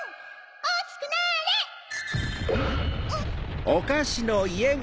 おおきくなれ！ん？